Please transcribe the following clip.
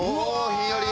ひんやり！